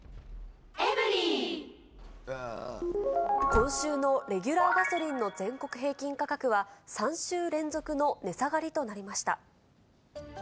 今週のレギュラーガソリンの全国平均価格は、３週連続の値下がりとなりました。